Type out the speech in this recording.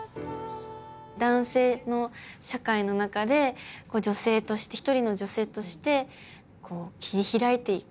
男性の社会の中で女性として一人の女性として切り開いていく。